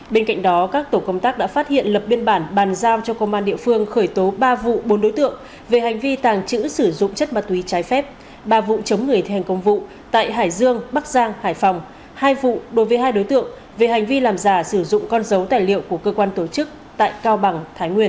bên cạnh đó các tổ công tác đã phát hiện lập biên bản bàn giao cho công an địa phương khởi tố ba vụ bốn đối tượng về hành vi tàng trữ sử dụng chất ma túy trái phép ba vụ chống người thi hành công vụ tại hải dương bắc giang hải phòng hai vụ đối với hai đối tượng về hành vi làm giả sử dụng con dấu tài liệu của cơ quan tổ chức tại cao bằng thái nguyên